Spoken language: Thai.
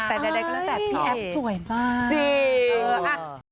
พี่แอ๊บสวยมาก